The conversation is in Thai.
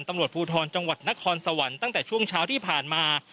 ตำรวจภูทรจังหวัดนครสวรรค์ตั้งแต่ช่วงเช้าที่ผ่านมา